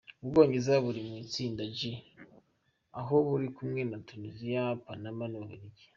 Ubwongereza buri mu itsinda G aho buri kumwe na Tuniziya, Panama n'Ububiligi.